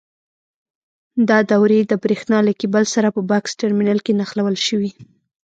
دا دورې د برېښنا له کېبل سره په بکس ټرمینل کې نښلول شوي.